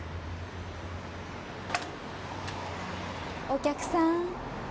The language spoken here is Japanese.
お客さん。